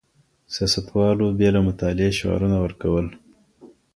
سياستوالو بې له مطالعې شعارونه ورکول.